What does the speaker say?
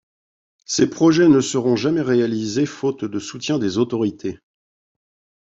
Ces projets ne seront jamais réalisés, faute de soutien des autorités.